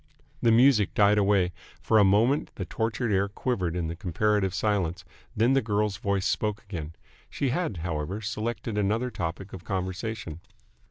The music died away. For a moment the tortured air quivered in comparative silence; then the girl's voice spoke again. She had, however, selected another topic of conversation.